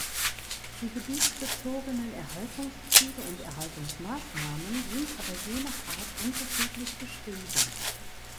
Die gebietsbezogenen Erhaltungsziele und Erhaltungsmaßnahmen sind aber je nach Art unterschiedlich beschrieben.